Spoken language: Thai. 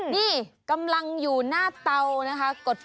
นี่กำลังอยู่หน้าเตานะคะ